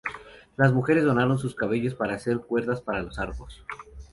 Las mujeres donaron sus cabellos para hacer cuerdas para los arcos.